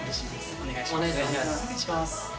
お願いします。